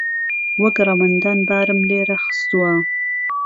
وهک رهوهندان بارم لێره خستووه